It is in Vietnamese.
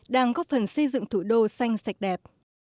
đang góp phần xây dựng thủ đô xanh sạch đẹp